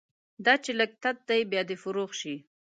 دا چې لږ تت دی، بیا دې فروغ شي